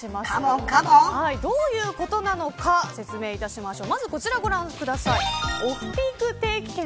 どういうことなのか説明いたしましょう。